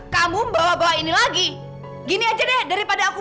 kamu kan juga saya bilang masuk